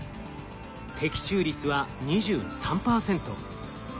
適中率は２３％。